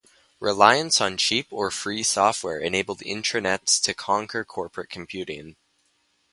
Reliance on cheap or free software enabled Intranets to conquer corporate computing.